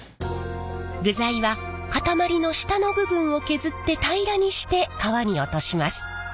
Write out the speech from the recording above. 具材は塊の下の部分を削って平らにして皮に落とします。